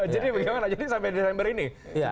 jadi bagaimana jadi sampai desember ini